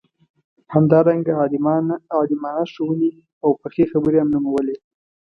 همدارنګه عالمانه ښووني او پخې خبرې هم نومولې.